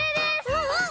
うんうん！